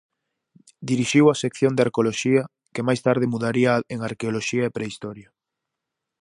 Dirixiu a sección de Arqueoloxía, que máis tarde mudaría en Arqueoloxía e Prehistoria.